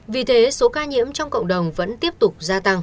vì thế số ca nhiễm trong cộng đồng vẫn tiếp tục